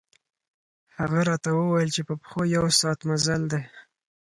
هغه راته ووېل چې په پښو یو ساعت مزل دی.